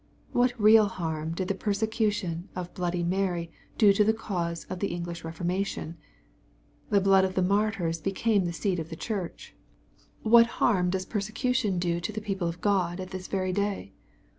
— What real harm did the persecution of bloody Mary do to the cause of the English Eeformation ? The blood of the martyrs became the seed of the Church. — What harm does persecution 402 BXP08IT0BT THOUGHTS. do the people of God at this veiy day